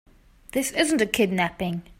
This isn't a kidnapping.